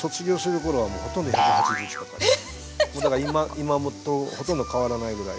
今とほとんど変わらないぐらい。